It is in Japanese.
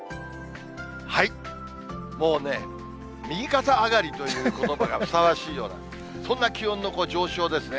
もうね、右肩上がりということばがふさわしいような、そんな気温の上昇ですね。